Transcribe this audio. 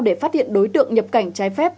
để phát hiện đối tượng nhập cảnh trái phép